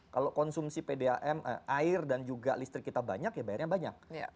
kalau konsumsi pdam air dan juga listrik kita banyak ya bayarnya banyak